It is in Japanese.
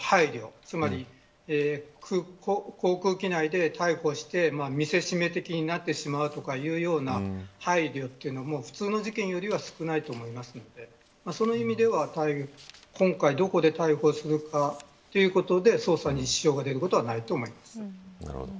つまり、航空機内で逮捕して見せしめ的になってしまうとかいうような配慮というのは普通の事件よりは少ないと思いますのでその意味では今回どこで逮捕するかということで捜査に支障が出ることはないと思います。